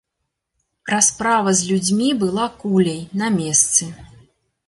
Расправа з людзьмі была куляй, на месцы.